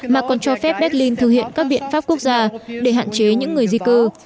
mà còn cho phép berlin thực hiện các biện pháp quốc gia để hạn chế những người di cư